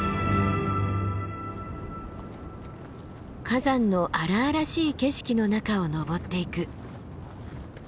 火山の荒々しい景色の中を登っていく。